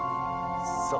そう。